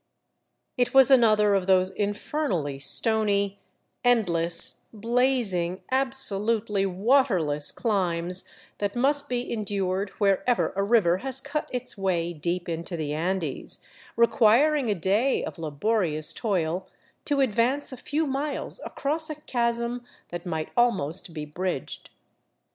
It was another of those infernally stony, endless, blazing, absolutely waterless climbs that must be endured wherever a river has cut its way deep into the Andes, requiring a day of laborious toil to advance a few miles across a chasm that might almost be bridged.